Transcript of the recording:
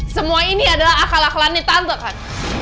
semua ini adalah akal akhlani tante kan